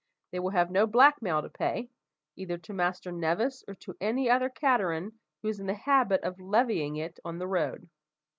They will have no black mail to pay, either to Master Nevis or to any other cateran who is in the habit of levying it on the road.